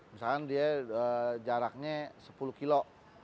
misalkan dia jaraknya sepuluh kilo